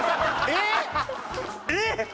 えっ！？